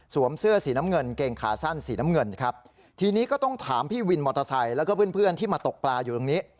เสื้อสีน้ำเงินเกงขาสั้นสีน้ำเงินครับทีนี้ก็ต้องถามพี่วินมอเตอร์ไซค์แล้วก็เพื่อนเพื่อนที่มาตกปลาอยู่ตรงนี้